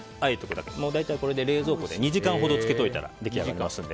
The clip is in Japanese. これで大体冷蔵庫で２時間ほど漬けておいたら出来上がりますので。